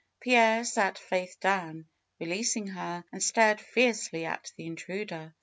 Pierre sat Faith down, releasing her, and stared fiercely at the intruder.